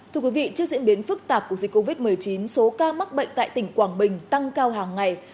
trước diễn biến phức tạp của dịch covid một mươi chín số ca mắc bệnh tại tỉnh quảng bình tăng cao hàng ngày